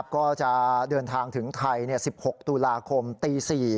ก็จะเดินทางถึงไทย๑๖ตุลาคมตี๔